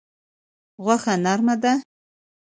غوښه نرمه ده.